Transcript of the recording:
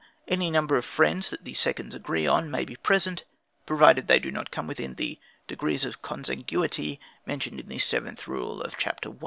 Any number of friends that the seconds agree on, may be present, provided they do not come within the degrees of consanguinity mentioned in the seventh rule of Chapter I.